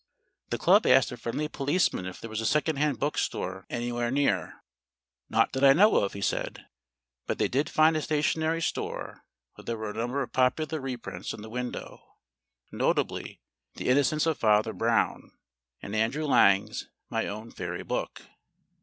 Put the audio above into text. The club asked a friendly policeman if there were a second hand bookstore anywhere near. "Not that I know of," he said. But they did find a stationery store where there were a number of popular reprints in the window, notably "The Innocence of Father Brown," and Andrew Lang's "My Own Fairy Book."